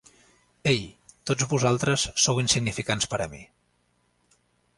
Ei, tots vosaltres sou insignificants per a mi.